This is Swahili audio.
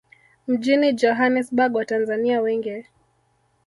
mjini Johannesburg Watanzania wengi